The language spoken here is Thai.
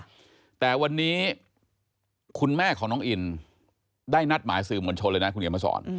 นี่จริงหรือเปล่าแต่วันนี้คุณแม่ของน้องอินได้นัดหมายสื่อมนชนเลยนะคุณเหงียวมาสอน